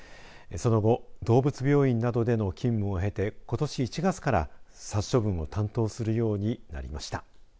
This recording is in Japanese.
その後、動物病院などでの勤務を経てことし１月から殺処分を担当するようになりました。